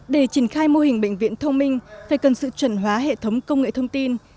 để triển khai mô hình bệnh viện thông minh phải cần sự chuẩn hóa hệ thống công nghệ thông tin